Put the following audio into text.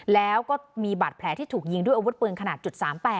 แล้วก็มีบาดแผลที่ถูกยิงด้วยอาวุธปืนขนาด๓๘